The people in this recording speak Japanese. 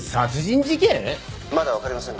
「まだわかりませんが」